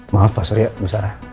maaf pak surya bu sara